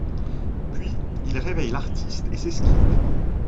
Puis, il réveille l'artiste et s'esquive…